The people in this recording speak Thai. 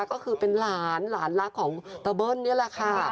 ก็คือเป็นหลานหลานรักของตะเบิ้ลนี่แหละค่ะ